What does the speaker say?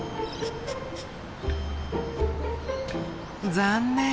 残念。